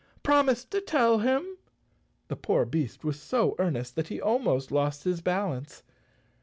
Promise to tell him." The poor beast was so earnest that he almost lost his balance.